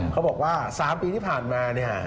เค้าบอกว่า๓ปีที่ผ่านมา